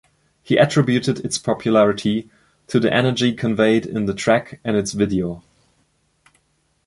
He attributed its popularity to the energy conveyed in the track and its video.